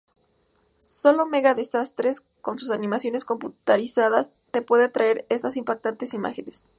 Solo Mega Desastres con sus animaciones computarizadas te puede traer estas impactantes imágenes.